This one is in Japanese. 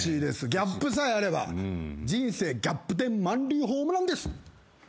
ギャップさえあれば人生ギャップ点満塁ホームランです。